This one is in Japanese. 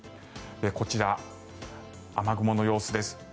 こちら、雨雲の様子です。